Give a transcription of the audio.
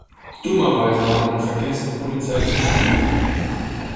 Dummerweise hatte man vergessen, die Polizei zu schmieren.